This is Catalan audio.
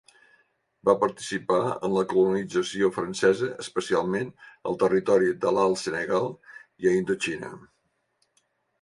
Va participar en la colonització francesa especialment al Territori de l'Alt Senegal i a Indoxina.